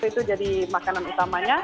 itu jadi makanan utamanya